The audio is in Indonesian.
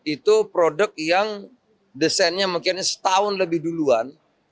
itu produk yang desainnya mungkin setahun lebih duluan